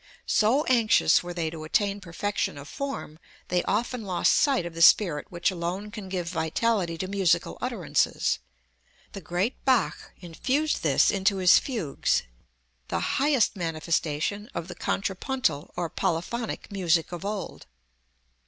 So anxious were they to attain perfection of form they often lost sight of the spirit which alone can give vitality to musical utterances. The great Bach infused this into his fugues, the highest manifestation of the contrapuntal, or polyphonic music of old.